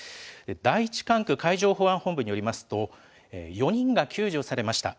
第１管区海上保安本部によりますと、４人が救助されました。